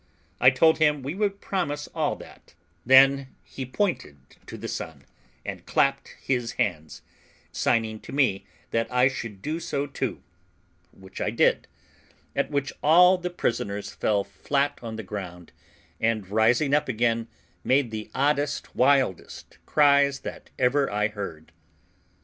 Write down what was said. I told him we would promise all that; then he pointed to the sun, and clapped his hands, signing to me that I should do so too, which I did; at which all the prisoners fell flat on the ground, and rising up again, made the oddest, wildest cries that ever I heard.